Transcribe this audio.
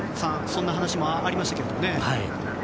そんな話もありましたけどね。